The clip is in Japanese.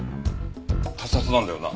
他殺なんだよな？